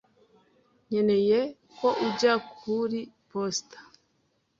Nkeneye ko ujya kuri posita.